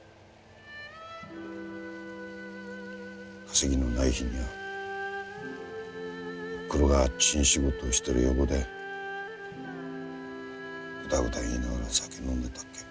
稼ぎのない日にゃ御袋が賃仕事してる横でぐだぐだ言いながら酒飲んでたっけ。